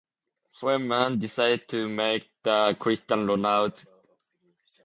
Foreman decided to make the Caps a regional franchise, the Virginia Squires.